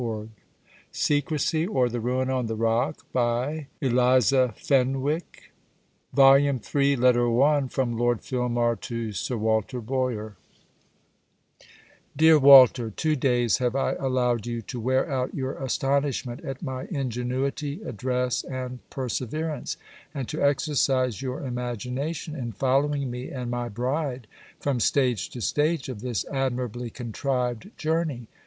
adieu! rejoice with FILMAR END OF THE SECOND VOLUME VOLUME III LETTER I FROM LORD FILMAR TO SIR WALTER BOYER DEAR WALTER, Two days have I allowed you to wear out your astonishment at my ingenuity, address, and perseverance, and to exercise your imagination in following me and my bride from stage to stage of this admirably contrived journey.